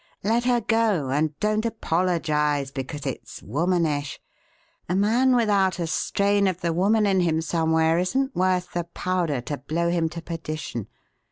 "Let her go, and don't apologize because it's womanish. A man without a strain of the woman in him somewhere isn't worth the powder to blow him to perdition.